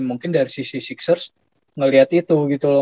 mungkin dari sisi sixers ngeliat itu gitu loh